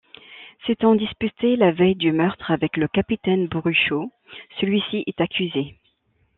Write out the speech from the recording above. S'étant disputé la veille du meurtre avec le capitaine Bruchot, celui-ci est accusé.